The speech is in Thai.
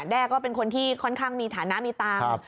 แด้ก็เป็นคนที่ค่อนข้างมีฐานะมีตังค์